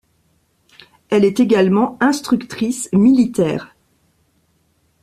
Elle est également instructrice militaire.